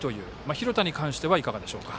廣田に関してはいかがでしょうか。